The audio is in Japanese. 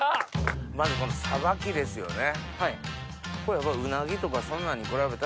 まずこのさばきですよね。